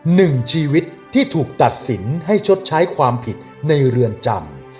หนึ่งชีวิตที่ถูกตัดสินให้ชดใช้ความผิดในเรือนจำ